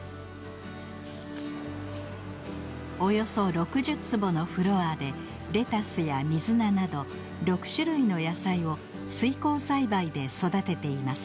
およそ６０坪のフロアでレタスや水菜など６種類の野菜を水耕栽培で育てています。